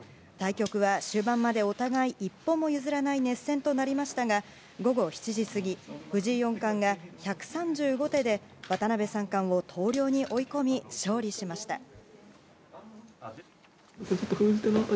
対局は終盤までお互い一歩も譲らない熱戦となりましたが午後７時過ぎ藤井四冠が１３５手で渡辺三冠を投了に追い込み勝利しました。